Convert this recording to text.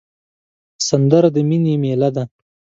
سندره د مینې میله ده